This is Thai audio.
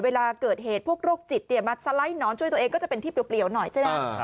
เวลาเกิดเหตุพวกโรคจิตมาสไลด์หนอนช่วยตัวเองก็จะเป็นที่เปลี่ยวหน่อยใช่ไหม